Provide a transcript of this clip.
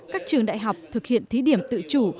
các trường đại học thực hiện thí điểm tự chủ